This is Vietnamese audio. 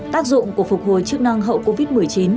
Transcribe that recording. tác dụng của phục hồi chức năng hậu covid một mươi chín